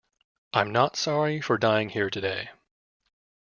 I'm not sorry for dying here today.